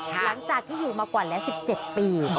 หลังจากที่อยู่มากว่าแล้ว๑๗ปี